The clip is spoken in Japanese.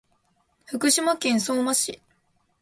福島県相馬市